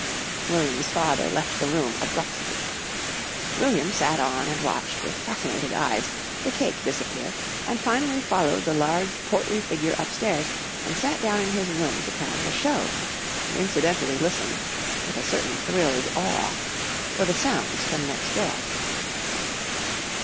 William's father left the room abruptly. William sat on and watched, with fascinated eyes, the cake disappear, and finally followed the large, portly figure upstairs and sat down in his room to plan the "show" and incidentally listen, with a certain thrilled awe, for the sounds from next door.